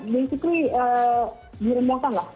basically direndahkan lah